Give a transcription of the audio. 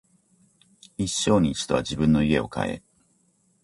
一生に一度は自分の家を買え